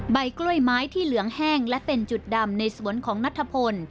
ใบกล้วยไม้ที่เหลืองแห้งและเป็นจุดดำในสวนของนัทพล